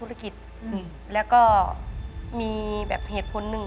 ทั้งธุรกิจแล้วก็มีแบบเหตุผลหนึ่ง